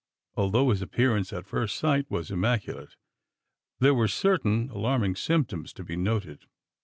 Although his appearance at first sight was immaculate, there were certain alarming symptoms to be noted.